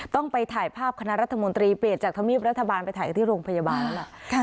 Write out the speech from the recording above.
ต้องไปถ่ายภาพคณะรัฐมนตรีเปลี่ยนจากธมิตรรัฐบาลไปถ่ายที่โรงพยาบาล